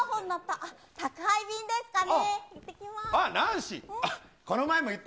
あっ、宅配便ですかね。